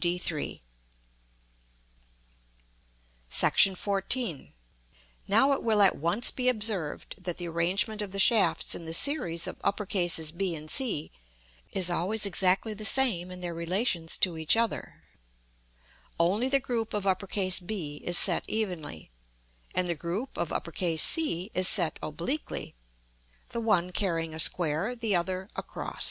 § XIV. Now it will at once be observed that the arrangement of the shafts in the series of B and C is always exactly the same in their relations to each other; only the group of B is set evenly, and the group of C is set obliquely, the one carrying a square, the other a cross.